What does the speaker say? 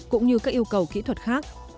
cũng như các yêu cầu kỹ thuật khác